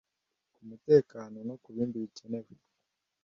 ku mutekano no kubindi bikenewe